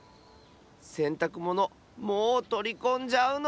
せんたくものもうとりこんじゃうの？